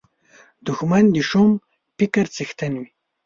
دښمن د شوم فکر څښتن وي